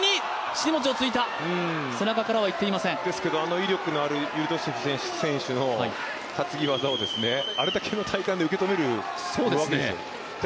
あの威力のあるユルドシェフ選手の技をあれだけの体幹で受け止めるわけですよ。